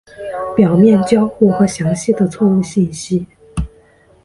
表面交互和详细的错误信息。